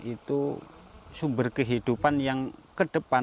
itu sumber kehidupan yang ke depan